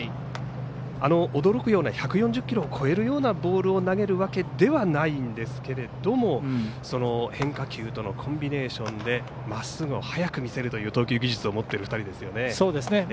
驚くような１４０キロを超えるようなボールを投げるわけではないんですけれども変化球とのコンビネーションでまっすぐを速く見せるという投球技術を持っている２人ですよね。